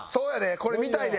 これ見たいで。